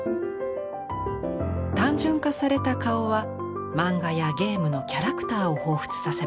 単純化された顔は漫画やゲームのキャラクターを彷彿させます。